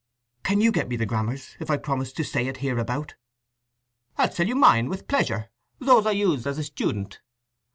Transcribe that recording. "Can you get me the grammars if I promise to say it hereabout?" "I'll sell you mine with pleasure—those I used as a student."